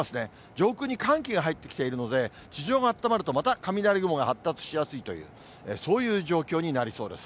上空に寒気が入ってきているので、地上があったまると、また雷雲が発達しやすいという、そういう状況になりそうです。